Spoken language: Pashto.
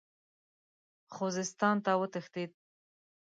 خوزستان ته وتښتېد.